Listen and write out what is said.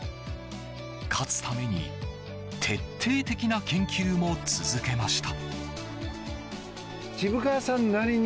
勝つために徹底的な研究も続けました。